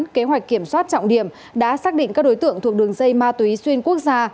kế hoạch kiểm soát trọng điểm đã xác định các đối tượng thuộc đường dây ma túy xuyên quốc gia